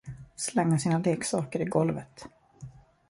Slänga sina leksaker i golvet.